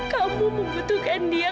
kamu membutuhkan dia